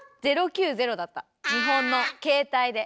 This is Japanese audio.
日本の携帯で。